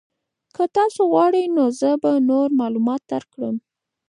که تاسو غواړئ نو زه به نور معلومات درکړم.